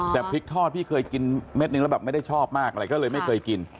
แต่พริกทอดพี่เคยกินเม็ดนึงแล้วแบบไม่ได้ชอบมากอะไรก็เลยไม่เคยกิน